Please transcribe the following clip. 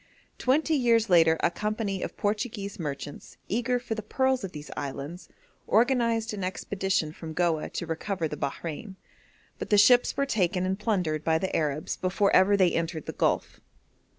Twenty years later a company of Portuguese merchants, eager for the pearls of these islands, organised an expedition from Goa to recover the Bahrein, but the ships were taken and plundered by the Arabs before ever they entered the Gulf.